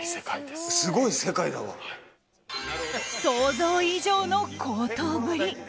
想像以上の高騰ぶり。